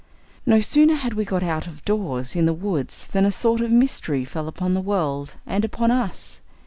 No sooner had we got out of doors in the woods than a sort of mystery fell upon the world and upon us.